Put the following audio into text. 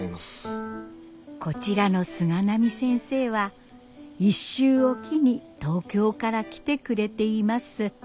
こちらの菅波先生は１週置きに東京から来てくれています。